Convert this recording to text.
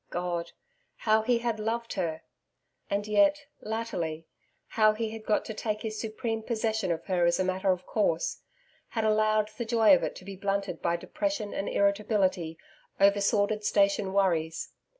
... God! how he had loved her! ... And yet, latterly, how he had got to take his supreme possession of her as a matter of course; had allowed the joy of it to be blunted by depression and irritability over sordid station worries.